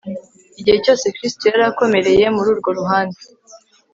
Igihe cyose Kristo yari akomereye muri urwo ruhande